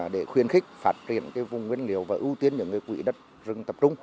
để khuyên khích phát triển vùng nguyên liệu và ưu tiên những quỹ đất rừng tập trung